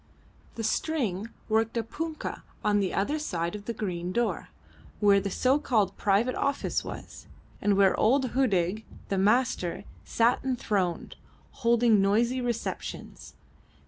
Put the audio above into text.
The string worked a punkah on the other side of the green door, where the so called private office was, and where old Hudig the Master sat enthroned, holding noisy receptions.